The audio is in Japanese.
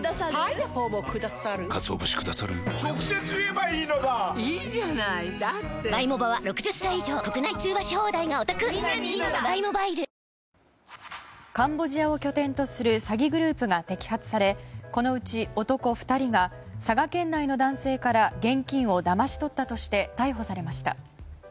いいじゃないだってカンボジアを拠点とする詐欺グループが摘発されこのうち男２人が佐賀県内の男性から現金をだまし取ったとして逮捕されました。